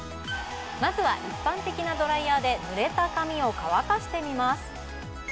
まずは一般的なドライヤーでぬれた髪を乾かしてみます